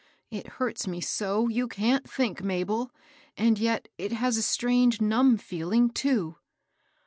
It hurts me so, you can't think, Mabel ; and yet it has a strange numb feeling, too."